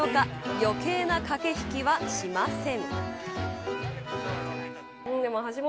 余計な駆け引きはしません。